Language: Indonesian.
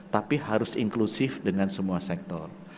tapi harus inklusif dengan semua sektor